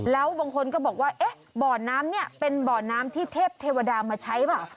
แล้วบางคนก็บอกว่าเอ๊ะบ่อน้ำเนี่ยเป็นบ่อน้ำที่เทพเทวดามาใช้เปล่า